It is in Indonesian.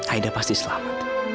aida pasti selamat